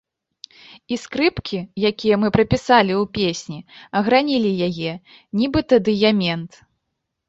І скрыпкі, якія мы прапісалі ў песні, агранілі яе, нібыта дыямент.